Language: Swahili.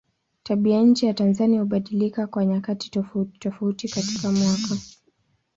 Tabianchi ya Tanzania hubadilika kwa nyakati tofautitofauti katika mwaka.